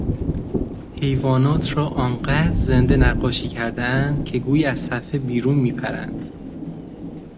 حیوانات را آنقدر زنده نقاشی کردهاند که گویی از صفحه بیرون میپرند.